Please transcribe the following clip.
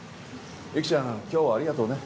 雪ちゃん今日はありがとうね。